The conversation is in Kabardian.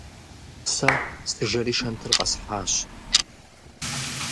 Сэ сыжэри шэнтыр къэсхьащ.